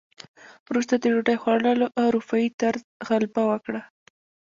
وروسته د ډوډۍ خوړلو اروپايي طرز غلبه وکړه.